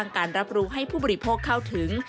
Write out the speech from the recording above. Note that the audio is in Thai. การรับรู้ให้ผู้บริโภคเข้าถึง